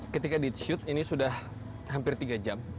ketika ditutup ini sudah hampir tiga jam